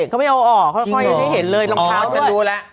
เขาไม่เอาออกเขาค่อยให้เห็นเลยรองเท้าด้วยอ๋อก็รู้แล้ว